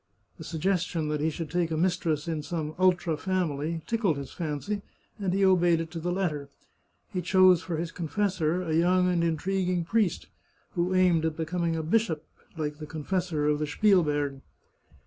The suggestion that he should take a mistress in some ultra family tickled his fancy, and he obeyed it to fhe letter. He chose for his confessor a young and intriguing priest, who aimed at be coming a bishop (like the confessor of the Spielberg).